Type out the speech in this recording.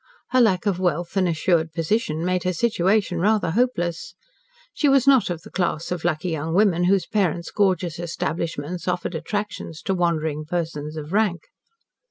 Her lack of wealth and assured position made her situation rather hopeless. She was not of the class of lucky young women whose parents' gorgeous establishments offered attractions to wandering persons of rank.